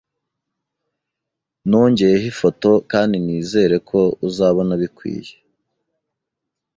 Nongeyeho ifoto kandi nizere ko uzabona bikwiye.